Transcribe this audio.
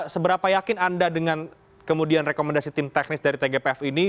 seberapa yakin anda dengan kemudian rekomendasi tim teknis dari tgpf ini